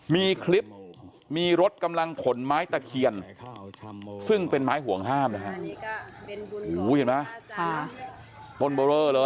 มีคลิปมีรถกำลังขนไม้ตะเขียนซึ่งเป็นไม้ห่วงห้ามเหรอครับ